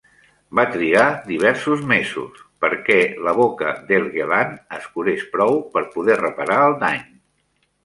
Va trigar diversos mesos perquè la boca d'Helgeland es curés prou per poder reparar el dany.